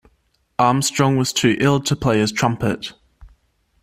Armstrong was too ill to play his trumpet.